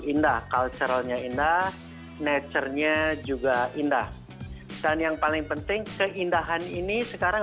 indah culturalnya indah nature nya juga indah dan yang paling penting keindahan ini sekarang